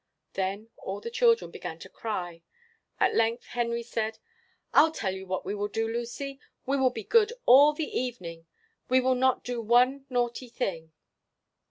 Then all the children began to cry. At length Henry said: "I'll tell you what we will do, Lucy; we will be good all the evening; we will not do one naughty thing."